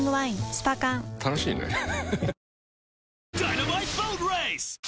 スパ缶楽しいねハハハ